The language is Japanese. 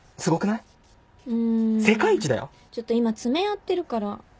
ちょっと今爪やってるから。